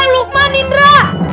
eh lukman nindra